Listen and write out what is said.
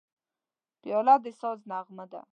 پیاله د ساز نغمه ده.